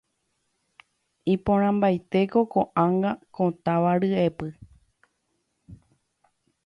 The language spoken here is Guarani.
iporãmbaitéko ko'ág̃a ko táva ryepy.